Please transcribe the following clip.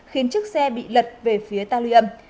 khiến chiếc xe bị lật về phía ta lưu âm